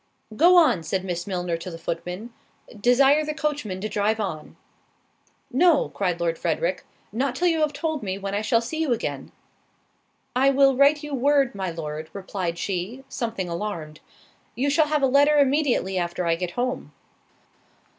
"Go on," said Miss Milner to the footman, "desire the coachman to drive on." "No," cried Lord Frederick, "not till you have told me when I shall see you again." "I will write you word, my Lord," replied she, something alarmed. "You shall have a letter immediately after I get home."